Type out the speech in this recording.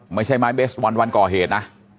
ไม่ใช่ไม้เบสบอลวันก่อเหตุนะ